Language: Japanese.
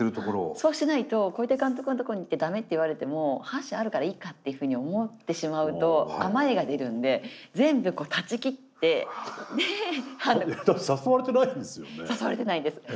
そうしないと小出監督のところに行ってダメって言われても８社あるからいいかっていうふうに思ってしまうと甘えが出るんでだって誘われてないんですよね？